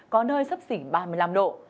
có nơi sấp xỉn ba mươi năm độ